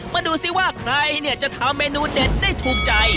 มาดูซิว่าใครเนี่ยจะทำเมนูเด็ดได้ถูกใจ